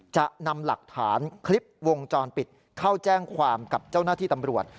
จะนำหลักฐานคลิปวงจรปิดเข้าแจ้งความกับเจ้าหน้าที่ตำรวจ